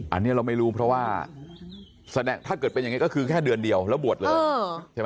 อันนี้เราไม่รู้เพราะว่าแสดงถ้าเกิดเป็นอย่างนี้ก็คือแค่เดือนเดียวแล้วบวชเลยใช่ไหม